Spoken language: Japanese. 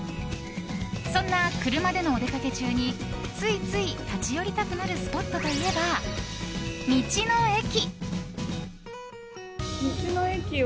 そんな車でのお出かけ中についつい立ち寄りたくなるスポットといえば、道の駅。